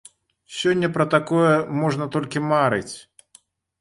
Сёння пра такое можна толькі марыць.